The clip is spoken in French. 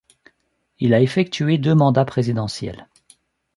Il a effectué deux mandats présidentiels.